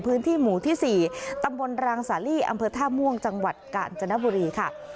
พื้นที่หมู่ที่๔ตำบลรางสาลีอำเภอท่าม่วงจังหวัดกาญจนบุรีค่ะ